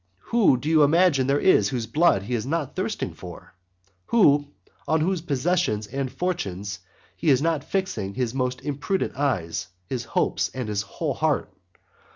Who do you imagine there is whose blood he is not thirsting for? who, on whose possessions and fortunes he is not fixing his most impudent eyes, his hopes, and his whole heart?